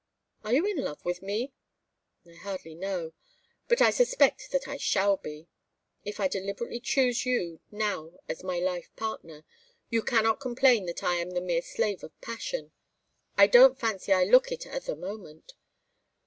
"Are you in love with me?" "I hardly know, but I suspect that I shall be. If I deliberately choose you now as my life partner, you cannot complain that I am the mere slave of passion. I don't fancy I look it at this moment.